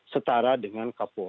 setara dengan kapolri